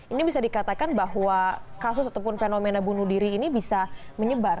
ini bisa dikatakan bahwa kasus ataupun fenomena bunuh diri ini bisa menyebar